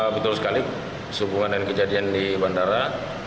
betul sekali kesepuan dan kejadian di bandara